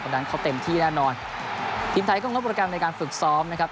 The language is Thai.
นั้นเขาเต็มที่แน่นอนทีมไทยก็งดโปรแกรมในการฝึกซ้อมนะครับ